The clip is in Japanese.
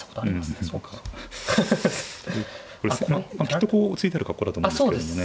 きっとこう突いてる格好だと思うんですけどもね。